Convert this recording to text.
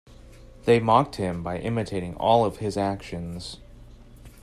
They mocked him by imitating all of his actions.